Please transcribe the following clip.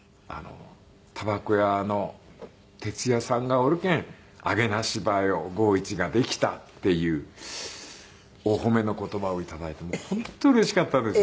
「たばこ屋の鉄矢さんがおるけんあげな芝居を剛一ができた」っていうお褒めの言葉を頂いて本当うれしかったですね。